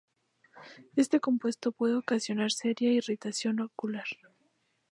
Este compuesto puede ocasionar seria irritación ocular.